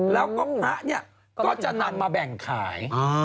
แล้วก็ผ้าก็จะนำมาแบ่งขาย